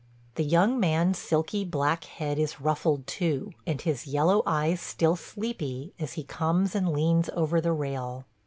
... The young man's silky black head is ruffled too, and his yellow eyes still sleepy as he comes and leans over the rail.